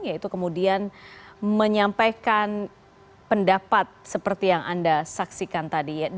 yaitu kemudian menyampaikan pendapat seperti yang anda saksikan tadi